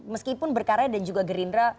meskipun berkarya dan juga gerindra